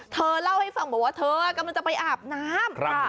เธอเล่าให้ฟังบอกว่าเธอกำลังจะไปอาบน้ำ